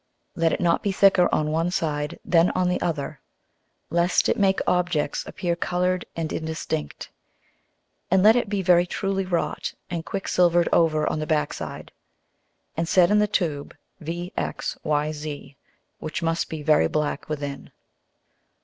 Let it not be thicker on one side than on the other, lest it make Objects appear colour'd and indistinct, and let it be very truly wrought and quick silver'd over on the backside; and set in the Tube VXYZ which must be very black within.